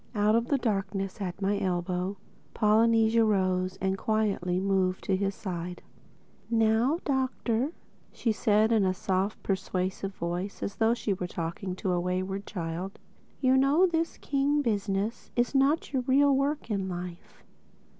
Out of the darkness at my elbow Polynesia rose and quietly moved down to his side. "Now Doctor," said she in a soft persuasive voice as though she were talking to a wayward child, "you know this king business is not your real work in life.